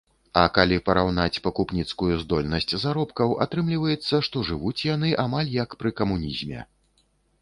А калі параўнаць пакупніцкую здольнасць заробкаў, атрымліваецца, што жывуць яны амаль як пры камунізме.